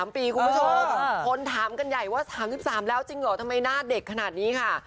๓ปีคุณผู้ชมคนถามกันใหญ่ว่า๓๓แล้วจริงเหรอทำไมหน้าเด็กขนาดนี้ค่ะ